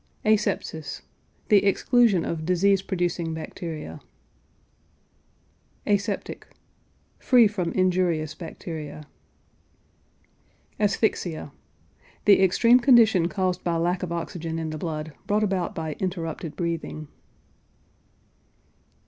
ASEPSIS. The exclusion of disease producing bacteria. ASEPTIC. Free from injurious bacteria. ASPHYXIA. The extreme condition caused by lack of oxygen in the blood, brought about by interrupted breathing.